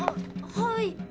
はい。